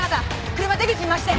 車出口に回して。